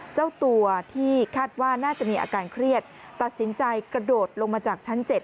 เจ้าตัวที่คาดว่าน่าจะมีอาการเครียดตัดสินใจกระโดดลงมาจากชั้น๗